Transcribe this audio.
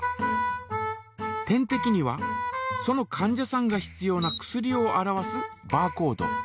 点てきにはそのかん者さんが必要な薬を表すバーコード。